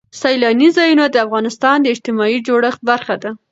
سیلانی ځایونه د افغانستان د اجتماعي جوړښت برخه ده.